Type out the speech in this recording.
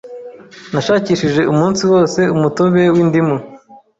Nashakishije umunsi wose umutobe windimu.